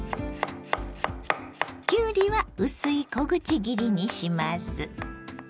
きゅうりは薄い小口切りにします。